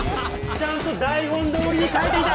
ちゃんと台本どおりにかえていた。